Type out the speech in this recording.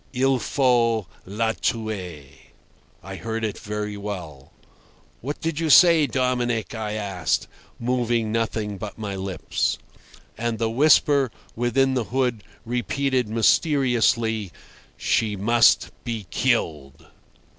"Il faul la tuer." I heard it very well. "What do you say, Dominic?" I asked, moving nothing but my lips. And the whisper within the hood repeated mysteriously, "She must be killed."